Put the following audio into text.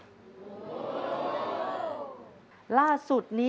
ชอบร้องเพลงเหรอลูกค่ะ